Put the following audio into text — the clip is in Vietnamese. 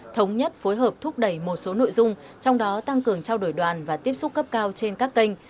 thống nhất phối hợp thúc đẩy một số nội dung trong đó tăng cường trao đổi đoàn và tiếp xúc cấp cao trên các kênh